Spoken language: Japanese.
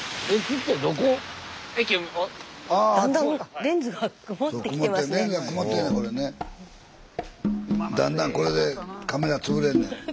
スタジオだんだんこれでカメラ潰れんねん。